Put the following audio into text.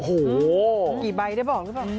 โอ้โหกี่ใบได้บอกหรือเปล่า